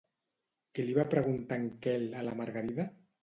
Què li va preguntar en Quel a la Margarida?